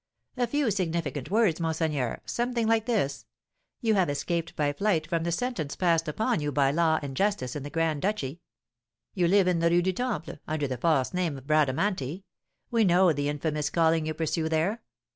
"A few significant words, monseigneur, something like this: 'You have escaped by flight from the sentence passed upon you by law and justice in the Grand Duchy; you live in the Rue du Temple, under the false name of Bradamanti; we know the infamous calling you pursue there.